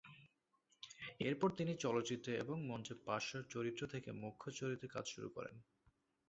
এরপর তিনি চলচ্চিত্রে এবং মঞ্চে পার্শ্ব চরিত্র থেকে মুখ্য চরিত্রে কাজ শুরু করেন।